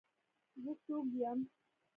زه څوک یم.